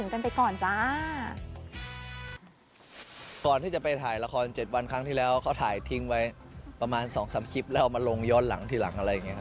คนเรียกร้องไหมว่าเออถ่ายบ่อยหน่อยชอบคู่เด่นคนกัน